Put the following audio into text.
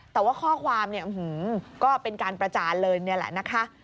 แต่ว่าข้อความเนี่ยก็เป็นการประจานเลยนี่แหละนะคะ